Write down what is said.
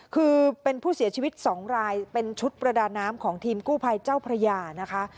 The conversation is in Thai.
คือเป็นผู้เสียชีวิต๒รายเป็นชุดประดาน้ำของทีมกู้ภัยเจ้าพระยานะคะ